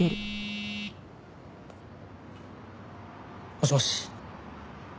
もしもし。